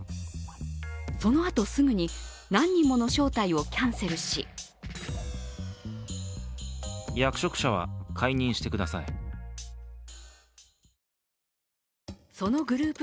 そのあとすぐに何人もの招待をキャンセルしそのグループ